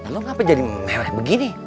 lo kenapa jadi mewah begini